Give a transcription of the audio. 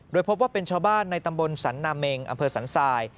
โดยพบว่าเป็นชาวบ้านในตำบลสันนาเมงอำเภอสันทราย